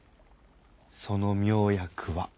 その妙薬は。